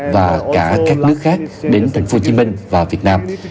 và cả các nước khác đến thành phố hồ chí minh và việt nam